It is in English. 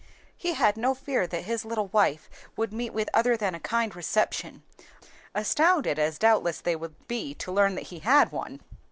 He had no fear that his little wife would meet with other than a kind reception, astounded as doubtless they would be to learn that he had one.